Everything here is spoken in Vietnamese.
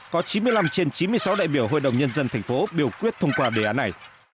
có chín mươi năm trên chín mươi sáu đại biểu hội đồng nhân dân thành phố biểu quyết thông qua đề án này